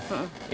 oke mas hadi